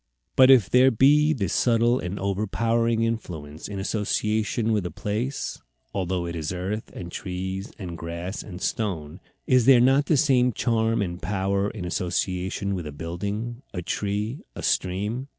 But if there be this subtle and over powering influence in association with a place, although it is earth and trees and grass and stone, is there not the same charm and power in association with a building, a tree, a stream?